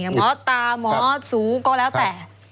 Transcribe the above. หมอตามหมอสูก็แล้วแต่